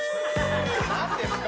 何ですか？